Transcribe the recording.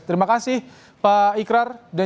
terima kasih pak ikrar